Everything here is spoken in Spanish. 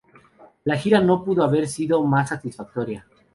La gira no pudo haber sido más satisfactoria.